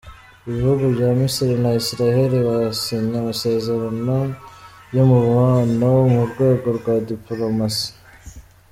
Ibihugu bya Misiri na Israel byasinye amasezerano y’umubano mu rwego rwa dipolomasi.